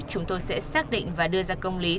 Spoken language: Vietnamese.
chúng tôi sẽ xác định và đưa ra công lý